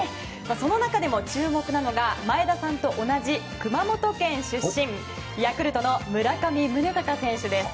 その中でも注目なのが前田さんと同じ熊本県出身ヤクルトの村上宗隆選手です。